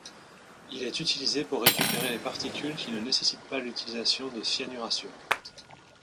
Il est utilisé pour récupérer les particules qui ne nécessitent pas l'utilisation de cyanuration.